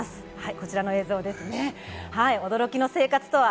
こちらの映像ですね、驚きの生活とは。